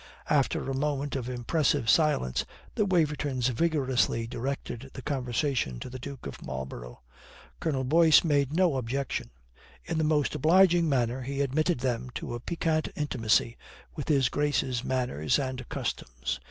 After a moment of impressive silence, the Wavertons vigorously directed the conversation to the Duke of Marlborough. Colonel Boyce made no objection. In the most obliging manner he admitted them to a piquant intimacy with His Grace's manners and customs.